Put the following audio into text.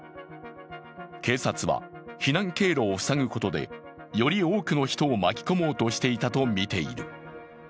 警察は避難経路を塞ぐことでより多くの人を巻き込もうとしていたとみている。